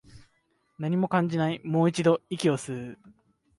何も感じない、もう一度、息を吸う